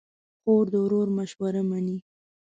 خور د ورور مشوره منې.